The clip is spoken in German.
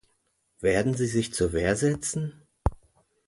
Werden sie sich zur Wehr setzen?